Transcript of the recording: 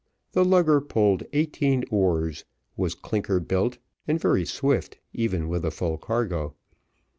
The lugger pulled eighteen oars, was clinker built, and very swift, even with a full cargo.